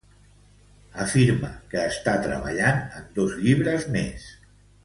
Afirma que està treballant en dos llibres més.